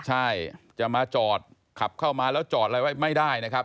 ใช่จะมาจอดขับเข้ามาแล้วจอดอะไรไว้ไม่ได้นะครับ